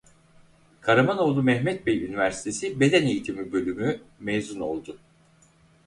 Karamanoğlu Mehmet Bey Üniversitesi beden eğitimi bölümü mezun oldu.